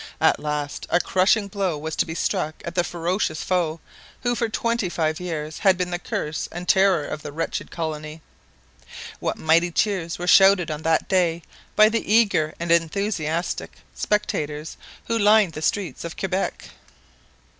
At last a crushing blow was to be struck at the ferocious foe who for twenty five years had been the curse and terror of the wretched colony. What mighty cheers were shouted on that day by the eager and enthusiastic spectators who lined the streets of Quebec!